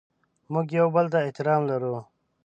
موږ یو بل ته احترام لرو.